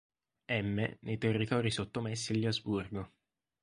M. nei territori sottomessi agli Asburgo.